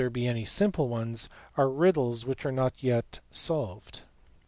be any simple ones), are riddles which are yet unsolved.